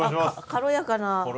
軽やかな。